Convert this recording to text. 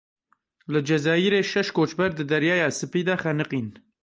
Li Cezayîrê şeş koçber di Deryaya Spî de xeniqîn.